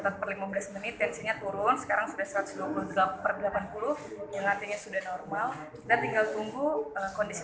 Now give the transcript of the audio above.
semua bisa bergerak secara umum